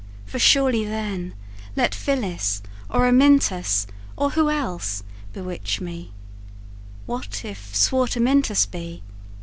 for surely then, Let Phyllis, or Amyntas, or who else, Bewitch me what if swart Amyntas be?